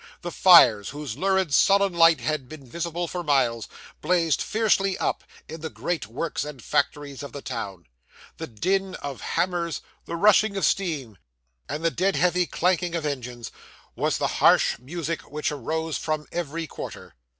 The fires, whose lurid, sullen light had been visible for miles, blazed fiercely up, in the great works and factories of the town. The din of hammers, the rushing of steam, and the dead heavy clanking of engines, was the harsh music which arose from every quarter.